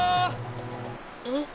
えっ？